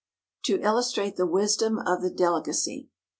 To illustrate the wisdom of the delegacy.